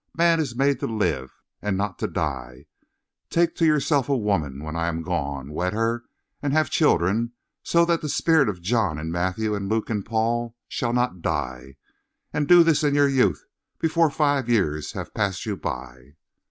Man is made to live, and not to die. Take to yourself a woman, when I am gone, wed her, and have children, so that the spirit of John and Matthew and Luke and Paul shall not die. And do this in your youth, before five years have passed you by.'